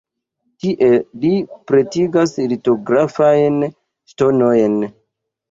Tie li pretigas litografajn ŝtonojn.